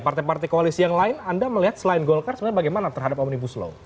partai partai koalisi yang lain anda melihat selain golkar sebenarnya bagaimana terhadap omnibus law